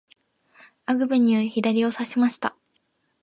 アグベニュー、左をさしました。